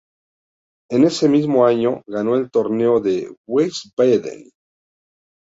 En ese mismo año, ganó el Torneo de Wiesbaden.